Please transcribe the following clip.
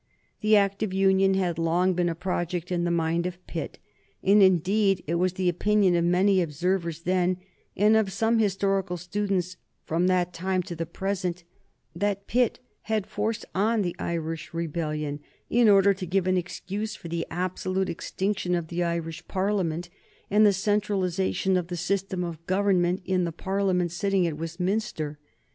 The Act of Union had long been a project in the mind of Pitt, and indeed it was the opinion of many observers then, and of some historical students from that time to the present, that Pitt had forced on the Irish rebellion in order to give an excuse for the absolute extinction of the Irish Parliament and the centralization of the system of government in the Parliament sitting at Westminster.